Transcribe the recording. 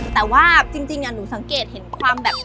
แต่ว่าจริงหนูสังเกตเห็นความแบบ